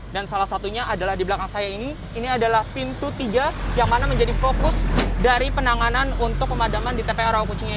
dan salah satunya adalah di belakang saya ini ini adalah pintu tiga yang mana menjadi fokus dari penanganan untuk pemadaman di tpa rawakucing ini